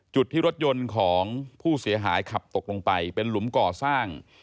จุดที่รถยนต์ของผู้เสียหายขับตกลงไปเป็นหลุมก่อสร้าง